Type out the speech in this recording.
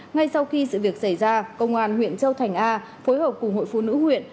ngay sau khi sự việc xảy ra công an huyện châu thành a phối hợp cùng hội phụ nữ huyện